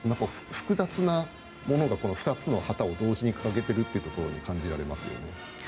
複雑なものがこの２つの旗を同時に掲げていることから感じられます。